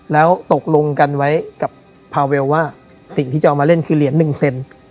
แล้วตกลงกันไว้กับพาเวลว่าสิ่งที่จะเอามาเล่นคือเหรียญหนึ่งเซน